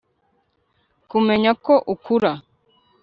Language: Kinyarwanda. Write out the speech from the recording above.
kumenya ko ukura